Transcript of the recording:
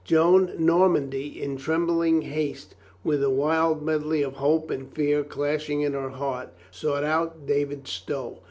Joan Normandy, In trembling haste, with a wild medley of hope and fear clashing in her heart, sought out David Stow.